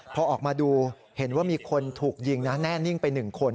พอออกมาดูเห็นว่ามีคนถูกยิงนะแน่นิ่งไป๑คน